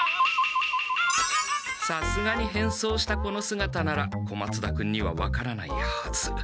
さすがにへんそうしたこのすがたなら小松田君には分からないはず。